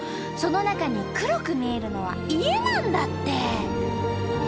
その中に黒く見えるのは家なんだって。